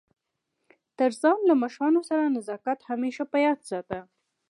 تر ځان له مشرانو سره نزاکت همېشه په یاد ساته!